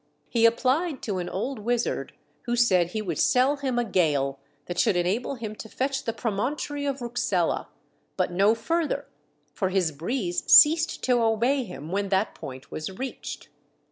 He appHed to an old wizard, who said he would sell him a gale that should enable him to fetch the Promontory of Rouxella, but no further, for his breeze ceased to obey him when that point was reached.